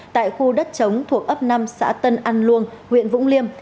tại khu đất chống thuộc ấp năm xã tân an luông huyện vũng liêm